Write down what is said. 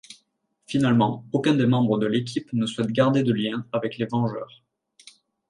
Finalement, aucun des membres de l'équipe ne souhaite garder de lien avec les Vengeurs.